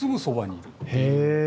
へえ。